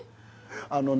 あのね